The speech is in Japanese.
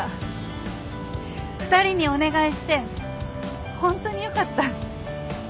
２人にお願いしてホントによかった。